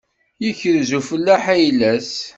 Yekrez ufellaḥ ayla-s.